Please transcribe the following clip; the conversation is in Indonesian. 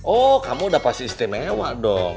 oh kamu udah pasti istimewa dong